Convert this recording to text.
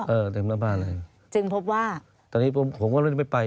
เต็มหน้าบ้านเลยจึงพบว่าตอนนี้ผมผมก็ไม่ได้ไม่ไป